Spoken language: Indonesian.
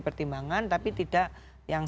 pertimbangan tapi tidak yang